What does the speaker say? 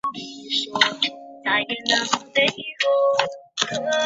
南宋灭后不仕。